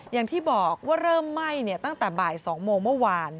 อย่างที่บอกว่าเริ่มไหม้ตั้งแต่บ่าย๒โมงเมื่อวาน